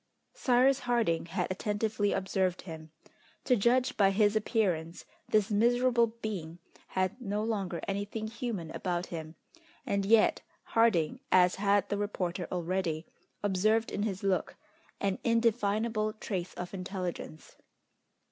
Cyrus Harding had attentively observed him. To judge by his appearance this miserable being had no longer anything human about him, and yet Harding, as had the reporter already, observed in his look an indefinable trace of intelligence.